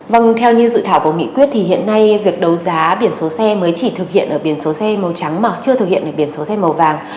vâng theo như dự thảo của nghị quyết thì hiện nay việc đấu giá biển số xe mới chỉ thực hiện ở biển số xe màu trắng mà chưa thực hiện được biển số xe màu vàng